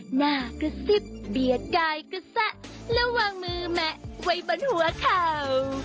หน้ากระซิบเบียดกายกระแสะแล้ววางมือแมะไว้บนหัวเข่า